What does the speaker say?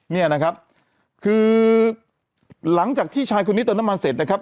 เนี่ยนะครับคือหลังจากที่ชายคนนี้เติมน้ำมันเสร็จนะครับ